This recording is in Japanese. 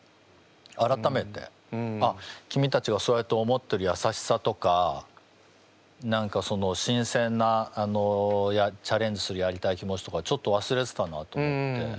改めて君たちがそうやって思ってるやさしさとか何か新鮮なチャレンジするやりたい気持ちとかちょっとわすれてたなと思って。